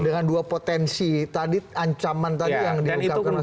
dengan dua potensi tadi ancaman tadi yang diungkapkan